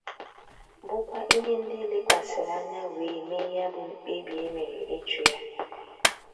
bụkwa ihe ndị e lekwasịrị anya wee mee ya bụ mkpebi e mere ịchụ ya